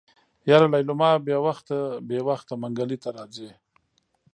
يره ليلما بې وخته بې وخته منګلي ته راځي.